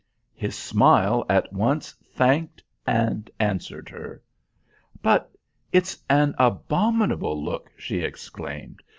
His smile at once thanked and answered her. "But it's an abominable look," she exclaimed.